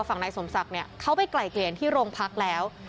นายสมศักดิ์เขาไปไกลเกลี่ยที่โรงพักแล้ว